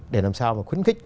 để làm sao mà khuyến khích